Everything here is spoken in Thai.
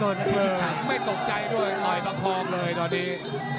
พี่ชิชชัยไม่ตกใจด้วยคอยประคองเลยตอนนี้